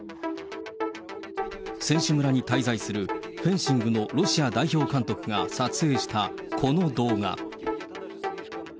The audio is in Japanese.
選手村に滞在するフェンシングのロシア代表監督が撮影したこの動画。